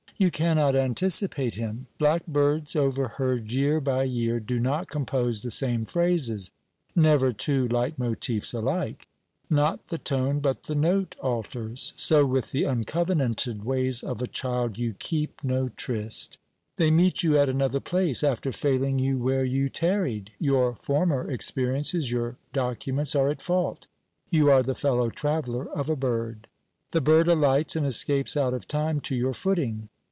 You cannot anticipate him. Blackbirds, overheard year by year, do not compose the same phrases; never two leitmotifs alike. Not the tone, but the note alters. So with the uncovenated ways of a child you keep no tryst. They meet you at another place, after failing you where you tarried; your former experiences, your documents are at fault. You are the fellow traveller of a bird. The bird alights and escapes out of time to your footing.